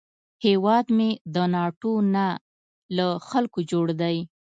هیواد مې د ناټو نه، له خلکو جوړ دی